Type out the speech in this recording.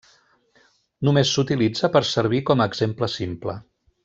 Només s'utilitza per servir com a exemple simple.